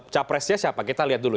capresnya siapa kita lihat dulu